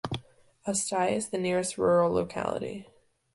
Ustye is the nearest rural locality.